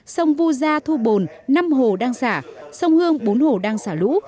sông vu gia thu bồn năm hồ đang xả sông hương bốn hồ đang xả lũ